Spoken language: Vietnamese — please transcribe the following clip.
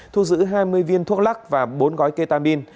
thu giữ hai mươi viên thuốc lắc và bốn gói ketamin